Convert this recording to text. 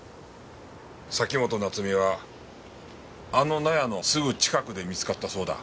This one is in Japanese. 崎本菜津美はあの納屋のすぐ近くで見つかったそうだ。